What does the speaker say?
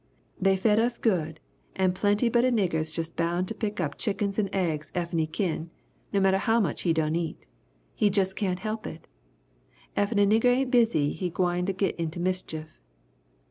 They fed us good and plenty but a nigger is jus' bound to pick up chickens and eggs effen he kin, no matter how much he done eat! He jus' can't help it. Effen a nigger ain't busy he gwine to git into mischief!